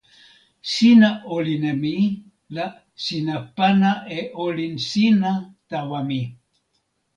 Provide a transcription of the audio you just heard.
sina olin e mi la sina pana e olin sina tawa mi.